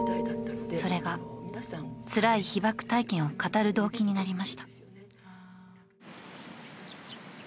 それがつらい被爆体験を語る動機になりました。